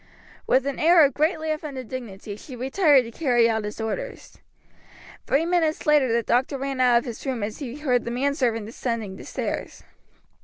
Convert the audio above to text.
With an air of greatly offended dignity she retired to carry out his orders. Three minutes later the doctor ran out of his room as he heard the man servant descending the stairs.